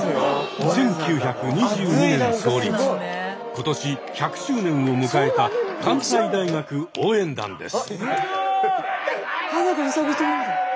今年１００周年を迎えた関西大学応援団です。